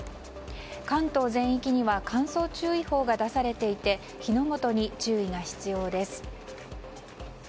関東全域には乾燥注意報が出されていて火の元に注意が必要です。